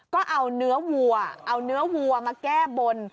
ก็เอาเนื้อวัวเอาเนื้อวัวมาแก้บน